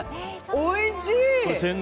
おいしい！